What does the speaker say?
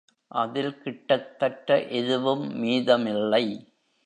அதில் கிட்டத்தட்ட எதுவும் மீதமில்லை.